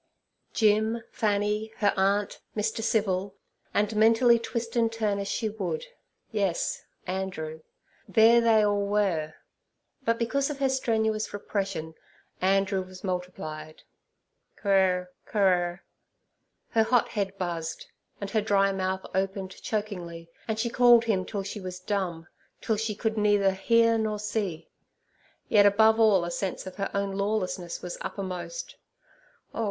Jim, Fanny, her aunt, Mr. Civil—and mentally twist and turn as she would, yes, Andrew—there they all were: but because of her strenuous repression, Andrew was multiplied. Quirr, quirr! her hot head buzzed, and her dry mouth opened chokingly, and she called him till she was dumb, till she could neither hear nor see. Yet above all a sense of her own lawlessness was uppermost.